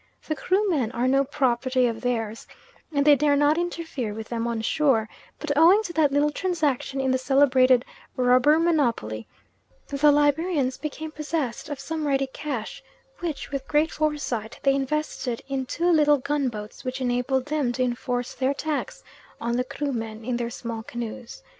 The Krumen are no property of theirs, and they dare not interfere with them on shore; but owing to that little transaction in the celebrated Rubber Monopoly, the Liberians became possessed of some ready cash, which, with great foresight, they invested in two little gun boats which enabled them to enforce their tax on the Krumen in their small canoes.